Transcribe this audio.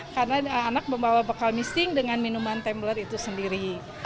karena anak membawa bekal misting dengan minuman tembler itu sendiri